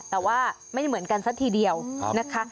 แต่ว่าไม่เหมือนกันซะทีเดียวนะคะ